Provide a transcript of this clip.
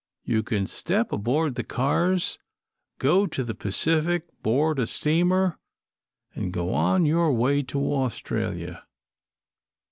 You can step aboard the cars, go to the Pacific, board a steamer, and go on your way to Australia.